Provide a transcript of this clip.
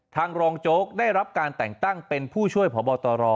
รองโจ๊กได้รับการแต่งตั้งเป็นผู้ช่วยพบตร